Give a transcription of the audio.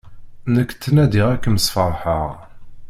Nekk ttnadiɣ ad kem-sferḥeɣ.